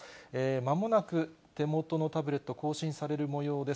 まもなく手元のタブレット、更新されるもようです。